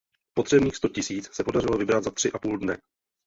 Potřebných sto tisíc se podařilo vybrat za tři a půl dne.